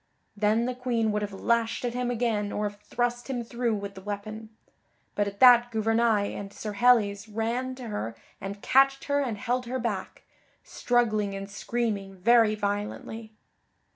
Then the Queen would have lashed at him again or have thrust him through with the weapon; but at that Gouvernail and Sir Helles ran to her and catched her and held her back, struggling and screaming very violently.